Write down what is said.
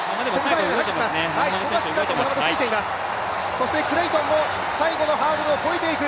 そしてクレイトンも最後のハードルを越えていく。